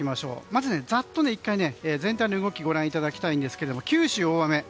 まず、ざっと全体の動きをご覧いただきたいんですが九州、大雨。